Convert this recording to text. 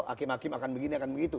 hakim hakim akan begini akan begitu